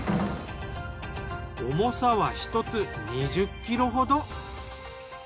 重さは１つ２０キロほど。